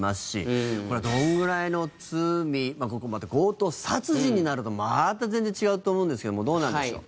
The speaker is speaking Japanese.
これはどのぐらいの罪また強盗殺人になるとまた全然違うと思うんですけどもどうなんでしょう？